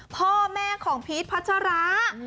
พ่อแม่ของพีชพัชรา